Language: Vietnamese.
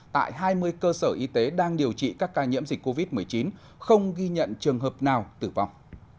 tại hai mươi cơ sở y tế đang điều trị các ca nhiễm dịch covid một mươi chín không ghi nhận trường hợp nào tử vong